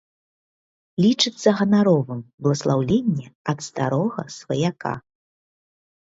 Лічыцца ганаровым бласлаўленне ад старога сваяка.